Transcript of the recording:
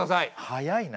早いな。